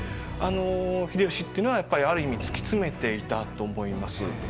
あの秀吉っていうのはやっぱりある意味突き詰めていたと思います。